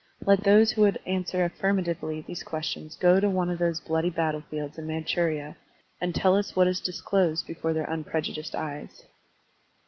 Let those who would answer affirmatively these questions go to one of those bloody battlefields in Man churia and tell us what is disclosed before their \mprejudiced eyes.